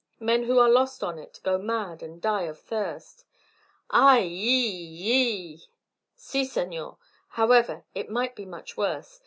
Men who are lost on it go mad and die of thirst " "Ay, yi, yi!" "Si, senor. However, it might be much worse.